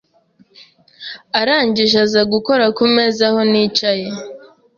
arangije aza gukora ku meza aho nicaye